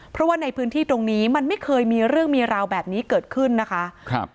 เพราะว่าในพื้นที่ตรงนี้มันไม่เคยมีเรื่องมีราวแบบนี้เกิดขึ้นนะคะครับ